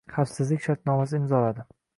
xavfsizlik shartnomasini imzoladi.